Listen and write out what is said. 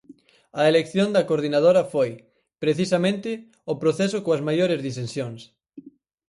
A elección da coordinadora foi, precisamente, o proceso coas maiores disensións.